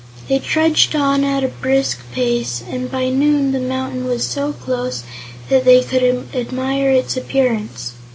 They trudged on at a brisk pace, and by noon the mountain was so close that they could admire its appearance.